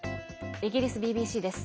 イギリスＢＢＣです。